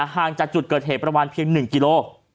ห่างจากจุดเกิดเหตุประมาณเพียง๑กิโล